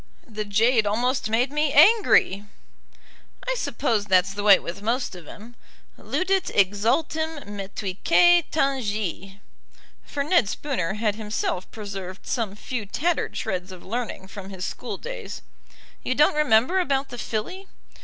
"The jade almost made me angry." "I suppose that's the way with most of 'em. 'Ludit exultim metuitque tangi'." For Ned Spooner had himself preserved some few tattered shreds of learning from his school days. "You don't remember about the filly?"